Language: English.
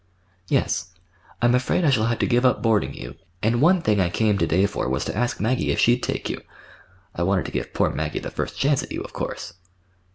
"Yes. I'm afraid I shall have to give up boarding you, and one thing I came to day for was to ask Maggie if she'd take you. I wanted to give poor Maggie the first chance at you, of course."